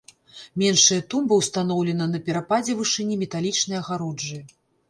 Меншая тумба ўстаноўлена на перападзе вышыні металічнай агароджы.